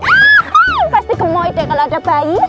ah pasti gemoy deh kalau ada bayi